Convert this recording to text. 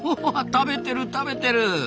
食べてる食べてる。